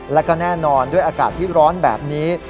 แล้วก็แน่นอนด้วยอากาศที่ร้อนแบบนี้